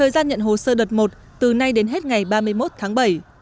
đợt một từ nay đến hết ngày ba mươi một tháng bảy